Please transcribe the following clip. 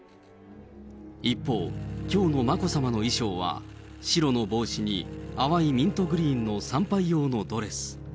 一方、きょうの眞子さまの衣装は、白の帽子に淡いミントグリーンの参拝用のドレス。